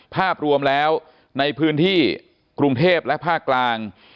ภาพรวมแล้วในพื้นที่กรุงเทพและภาคกลาง